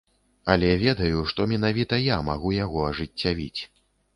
Але ведаю, што менавіта я магу яго ажыццявіць.